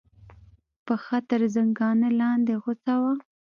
پښه تر زنګانه لاندې غوڅه وه.